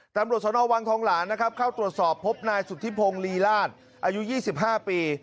ตำรวจสนวังทองหลานนะครับเข้าตรวจสอบพบนายสุธิพงศ์ลีราชอายุ๒๕ปี